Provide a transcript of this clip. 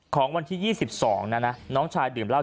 ของวันที่๒๒นะนะน้องชายดื่มเหล้า